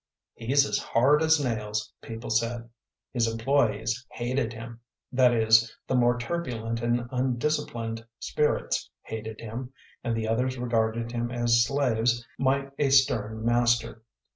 "He's as hard as nails," people said. His employés hated him that is, the more turbulent and undisciplined spirits hated him, and the others regarded him as slaves might a stern master.